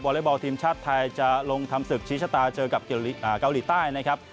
เล็กบอลทีมชาติไทยจะลงทำศึกชี้ชะตาเจอกับเกาหลีใต้นะครับ